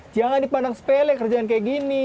jangan dipandang sepele kerjaan kayak gini